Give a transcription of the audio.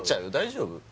大丈夫？